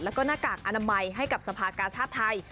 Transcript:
แล้วก็หน้ากากอนามัยให้กับสภากาชาติไทย